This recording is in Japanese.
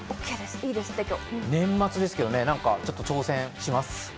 年末ですけどね、ちょっと挑戦します。